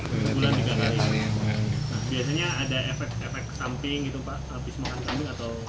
biasanya ada efek efek samping gitu pak habis makan kambing atau